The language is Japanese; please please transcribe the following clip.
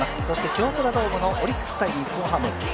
京セラドームのオリックス×日本ハム。